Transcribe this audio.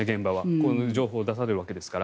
こういう情報を出されるわけですから。